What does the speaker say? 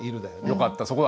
よかった